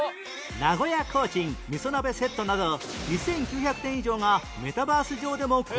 名古屋コーチン味噌鍋セットなど２９００点以上がメタバース上でも購入できるようになりました